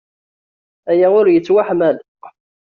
Aya ur yettwaḥmal!